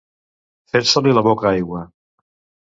Fer-se-li la boca aigua.